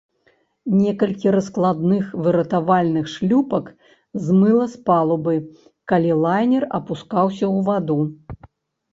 Некалькі раскладных выратавальных шлюпак змыла з палубы, калі лайнер апускаўся ў ваду.